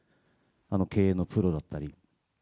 経営のプロだったり。